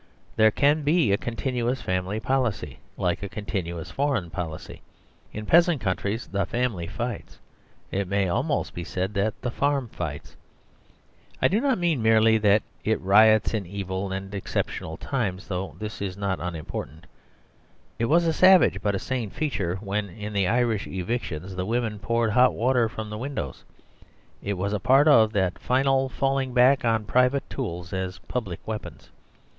There can be a continuous family policy, like a continuous foreign policy. In peasant coun tries the family fights, it may almost be said that the farm fights. I do not mean merely 46 The Superstition of Divorce that it riots in evil and exceptional times; though this is not unimportant. It was a savage but a sane feature when, in the Irish evictions, the women poured hot water from the windows; it was part of a final falling back on private tools as public weapons.